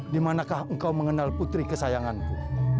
dimanakah engkau mengenal putri kesayanganku